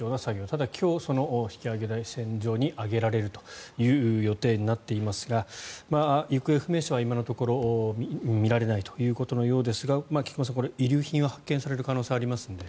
ただ、今日、引き揚げ船台上に揚げられるという予定になっていますが行方不明者は今のところ見られないということのようですが菊間さん、遺留品は発見される可能性はありますね。